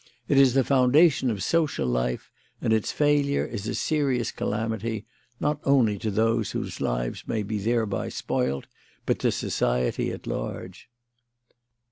It is the foundation of social life, and its failure is a serious calamity, not only to those whose lives may be thereby spoilt, but to society at large."